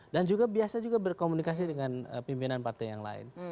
dan juga biasa juga berkomunikasi dengan pimpinan partai yang lain